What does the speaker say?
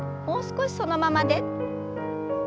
もう少しそのままで。